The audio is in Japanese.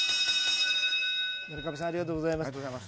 村上さんありがとうございます。